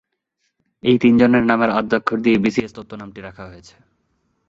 এই তিনজনের নামের আদ্যক্ষর দিয়েই বিসিএস তত্ত্ব নামটি রাখা হয়েছে।